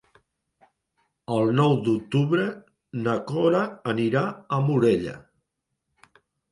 El nou d'octubre na Cora anirà a Morella.